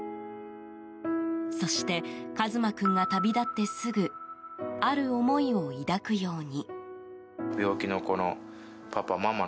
そして、一馬君が旅立ってすぐある思いを抱くように。